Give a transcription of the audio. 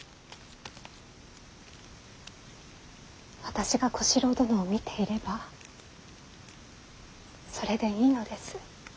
私が小四郎殿を見ていればそれでいいのです。